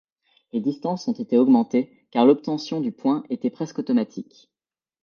Les distances ont été augmentées car l'obtention du point était presque automatique.